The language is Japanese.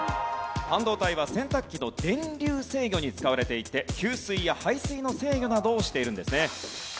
半導体は洗濯機の電流制御に使われていて給水や排水の制御などをしているんですね。